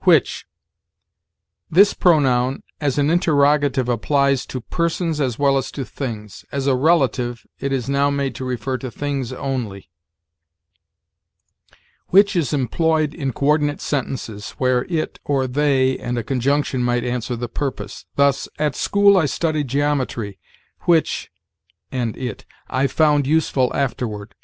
WHICH. This pronoun as an interrogative applies to persons as well as to things; as a relative, it is now made to refer to things only. "Which is employed in coördinate sentences, where it, or they, and a conjunction might answer the purpose; thus, 'At school I studied geometry, which (and it) I found useful afterward.'